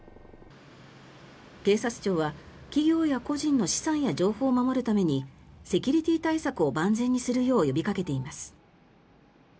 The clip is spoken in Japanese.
警察庁は企業や個人の資産や情報を守るためにセキュリティー対策を万全にするよう呼びかけています。